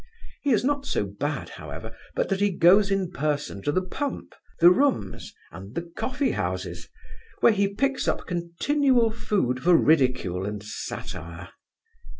He is not so bad, however, but that he goes in person to the pump, the rooms, and the coffeehouses; where he picks up continual food for ridicule and satire.